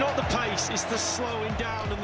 itu bukan kecepatan itu perlahan lahan